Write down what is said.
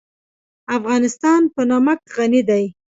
افغانستان په نمک غني دی.